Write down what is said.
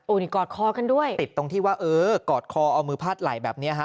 นี่กอดคอกันด้วยติดตรงที่ว่าเออกอดคอเอามือพาดไหล่แบบเนี้ยฮะ